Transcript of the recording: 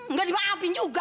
nggak dimaafin juga